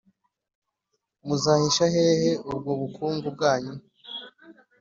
muzahisha hehe ubwo bukungu bwanyu?